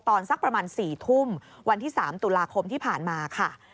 สักประมาณ๔ทุ่มวันที่๓ตุลาคมที่ผ่านมาค่ะ